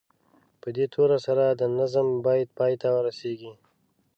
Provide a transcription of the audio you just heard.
په دې توري سره د نظم بیت پای ته رسیږي.